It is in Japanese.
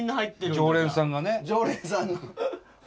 常連さんがね。